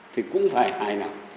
thì cũng phải hài lòng